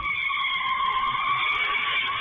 สวัสดีครับทุกคน